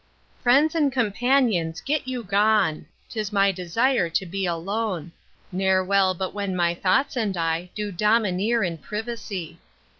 Friends and companions get you gone, 'Tis my desire to be alone; Ne'er well but when my thoughts and I Do domineer in privacy.